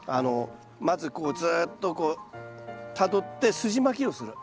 まずこうずっとたどってすじまきをする。